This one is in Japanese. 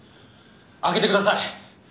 開けてください。